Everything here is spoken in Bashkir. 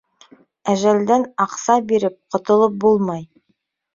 Әжәлдән аҡса биреп ҡотолоп булмай.